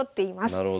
なるほど。